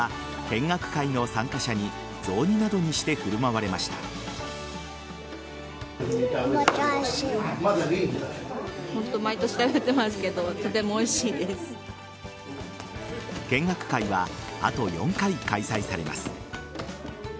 見学会はあと４回開催されます。